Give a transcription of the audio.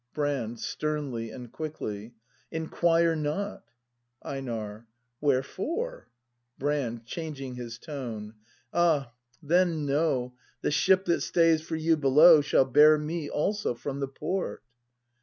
Brand. [Sternly and quickly.] Inquire not! Einar. Wherefore ? Brand. [Changing his tone.] Ah, — then know, The ship that stays for you below Shall bear me also from the port.